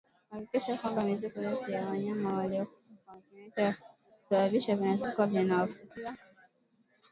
Hakikisha kwamba mizoga yoyote ya wanyama waliokufa kwa kimeta na vitu vilivyoambukizwa vinazikwa vinafukiwa